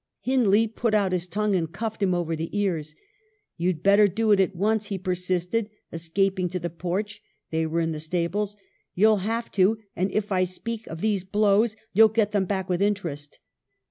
Hindley put out his tongue, and cuffed him over the ears. f You'd better do it at once,' he persisted, es caping to the porch (they were in the stable). ' You'll have to ; and if I speak of these blows you'll get them back with interest.'